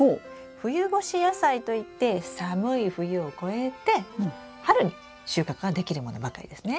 冬越し野菜といって寒い冬を越えて春に収穫ができるものばかりですね。